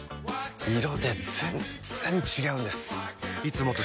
色で全然違うんです！